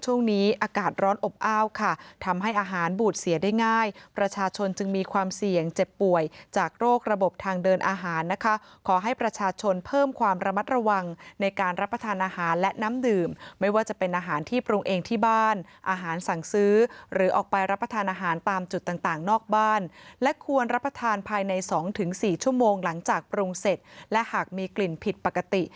ช่วงนี้อากาศร้อนอบอ้าวค่ะทำให้อาหารบูดเสียได้ง่ายประชาชนจึงมีความเสี่ยงเจ็บป่วยจากโรคระบบทางเดินอาหารนะคะขอให้ประชาชนเพิ่มความระมัดระวังในการรับประทานอาหารและน้ำดื่มไม่ว่าจะเป็นอาหารที่ปรุงเองที่บ้านอาหารสั่งซื้อหรือออกไปรับประทานอาหารตามจุดต่างต่างนอกบ้านและควรรับประทานภายใน๒๔ชั่วโมงหลังจากปรุงเสร็จและหากมีกลิ่นผิดปกติ